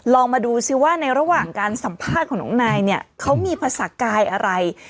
ลองมาดูสิว่าในระหว่างการสัมภาษณ์ของน้องนายเนี่ยเขามีภาษากายอะไร